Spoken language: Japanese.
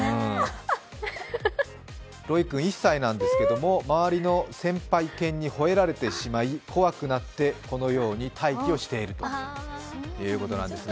ロイル君１歳なんですけど、周りの先輩犬にほえられてしまい、怖くなって、このように待機しているということなんですね。